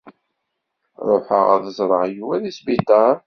Ruḥeɣ ad d-ẓreɣ Yuba deg sbiṭar.